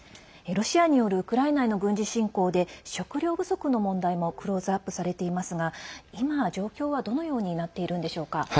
ロシアによるウクライナへの軍事侵攻で食糧不足の問題もクローズアップされていますが今、状況はどのようになっているんでしょうか？